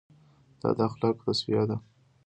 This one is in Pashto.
دا د اخلاقو توصیه ده.